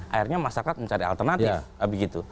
akhirnya masyarakat mencari alternatif